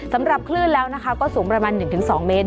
สำหรับขึ้นแล้วก็สูงประมาณ๑๒เมตร